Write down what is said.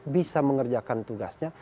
bisa mengerjakan tugasnya